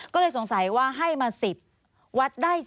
ก็เลยสงสัยว่าให้มา๑๐วัดได้๑๐